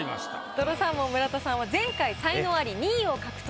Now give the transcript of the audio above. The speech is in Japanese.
とろサーモン村田さんは前回才能アリ２位を獲得。